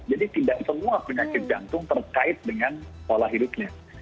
jadi tidak semua penyakit jantung terkait dengan pola hidupnya